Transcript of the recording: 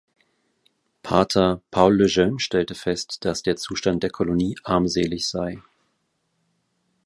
Pater Paul Le Jeune stellte fest, dass der Zustand der Kolonie armselig sei.